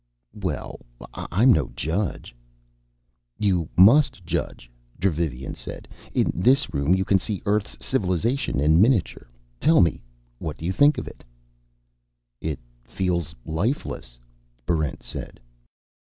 "Well I'm no judge." "You must judge," Dravivian said. "In this room you can see Earth's civilization in miniature. Tell me what you think of it." "It feels lifeless," Barrent said.